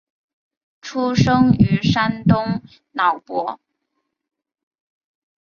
出生于山东淄博。